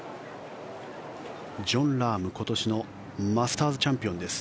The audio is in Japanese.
ジョン・ラーム今年のマスターズチャンピオンです。